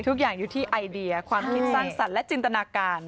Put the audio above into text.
ทุกอย่างอยู่ที่ไอเดียความคิดสร้างสรรค์และจินตนาการ